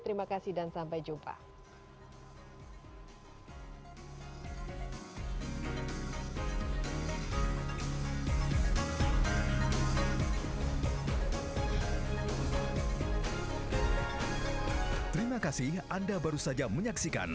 terima kasih dan sampai jumpa